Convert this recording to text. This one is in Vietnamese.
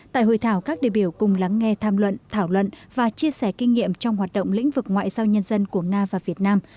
tại hội thảo các đề biểu cùng lắng nghe tham luận thảo luận và chia sẻ kinh nghiệm trong hoạt động lĩnh vực ngoại giao nhân dân của nga và việt nam